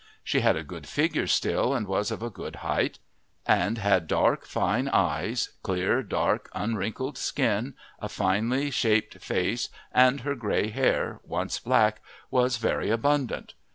She had a good figure still and was of a good height; and had dark, fine eyes, clear, dark, unwrinkled skin, a finely shaped face, and her grey hair, once black, was very abundant.